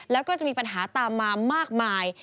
แล้วก็จะมีปัญหาตามมามากมาย